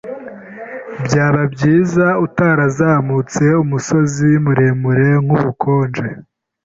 Byaba byiza utarazamutse umusozi muremure nkubukonje.